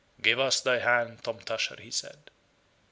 "Give us thy hand, Tom Tusher," he said.